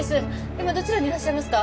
今どちらにいらっしゃいますか？